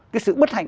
cái sự bất hạnh